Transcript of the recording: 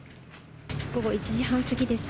午後１時半過ぎです。